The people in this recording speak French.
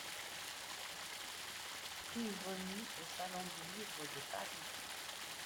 Prix remis au salon du Livre de Paris.